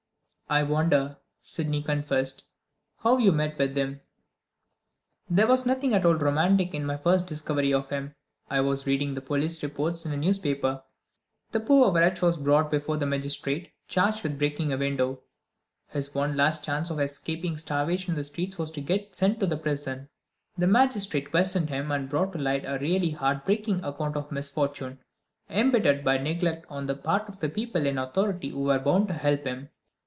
"I wonder," Sydney confessed, "how you met with him." "There was nothing at all romantic in my first discovery of him. I was reading the police reports in a newspaper. The poor wretch was brought before a magistrate, charged with breaking a window. His one last chance of escaping starvation in the streets was to get sent to prison. The magistrate questioned him, and brought to light a really heart breaking account of misfortune, imbittered by neglect on the part of people in authority who were bound to help him.